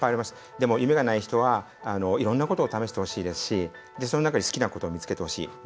でも夢がない人はいろんなことを試してほしいですしその中で好きなことを見つけてほしい。